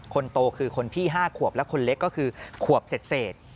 คนโตคือคนพี่๕ขวบและคนเล็กก็คือขวบเศษ